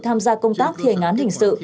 tham gia công tác thiền án hình sự